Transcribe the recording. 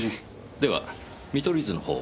では見取り図のほうを。